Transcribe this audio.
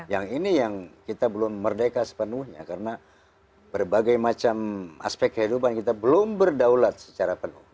yang ini yang kita belum merdeka sepenuhnya karena berbagai macam aspek kehidupan kita belum berdaulat secara penuh